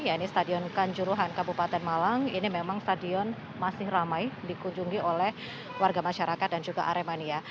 ya ini stadion kanjuruhan kabupaten malang ini memang stadion masih ramai dikunjungi oleh warga masyarakat dan juga aremania